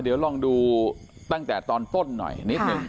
เดี๋ยวลองดูตั้งแต่ตอนต้นหน่อยนิดนึง